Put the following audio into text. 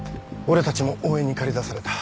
俺たちも応援に駆り出された。